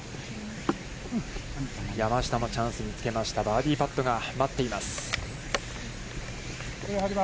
山下もチャンスにつけましたバーディーパットが待っています。